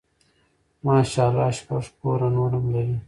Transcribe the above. ماشاء الله شپږ کوره نور هم لري.